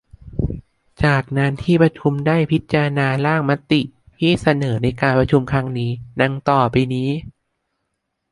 จากนั้นที่ประชุมได้พิจารณาร่างมติที่เสนอในการประชุมครั้งนี้ ดังต่อไปนี้